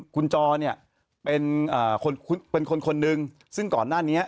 คุณจอเนี่ยเป็นอ่าคนคุณเป็นคนหนึ่งซึ่งก่อนหน้านี้